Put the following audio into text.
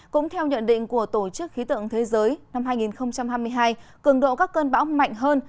cũng theo nhận định của tổ chức khí tượng thế giới năm hai nghìn hai mươi hai cường độ các cơn bão mạnh hơn